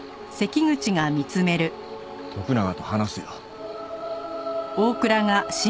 徳永と話すよ。